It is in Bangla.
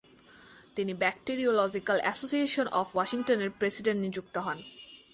তিনি ব্যাকটেরিওলজিকাল অ্যাসোসিয়েশন অফ ওয়াশিংটন এর প্রেসিডেন্ট নিযুক্ত হন।